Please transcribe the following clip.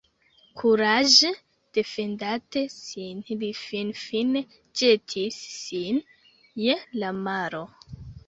Kuraĝe defendante sin li finfine ĵetis sin je la maro.